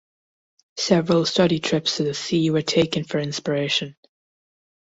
Several study trips to the sea were taken for inspiration.